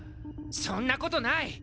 そんなことない！